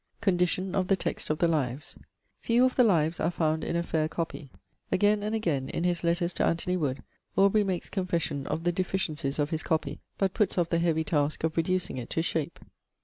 CONDITION OF THE TEXT OF THE 'LIVES.' Few of the 'Lives' are found in a fair copy. Again and again, in his letters to Anthony Wood, Aubrey makes confession of the deficiencies of his copy, but puts off the heavy task of reducing it to shape.